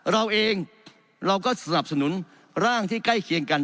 เราเองเราก็สนับสนุนร่างที่ใกล้เคียงกัน